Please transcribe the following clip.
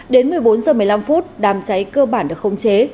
đến một mươi bốn h một mươi năm đàm cháy cơ bản được không chế